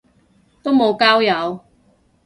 都無交友